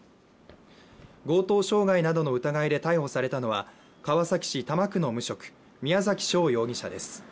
強盗傷害などの疑いで逮捕されたのは川崎市多摩区の無職宮崎翔容疑者です。